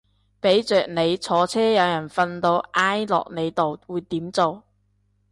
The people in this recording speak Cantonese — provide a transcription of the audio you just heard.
俾着你坐車有人瞓到挨落你度會點做